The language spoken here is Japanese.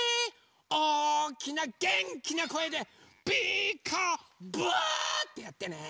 おおきなげんきなこえで「ピーカーブ！」っていってね。